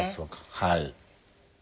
はい。